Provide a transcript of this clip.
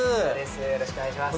よろしくお願いします。